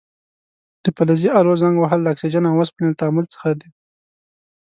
د فلزي الو زنګ وهل د اکسیجن او اوسپنې له تعامل څخه دی.